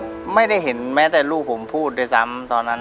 ผมไม่ได้เห็นแม้แต่ลูกผมพูดด้วยซ้ำตอนนั้น